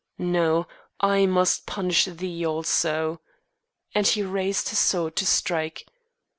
No. I must punish thee also," and he raised his sword to strike.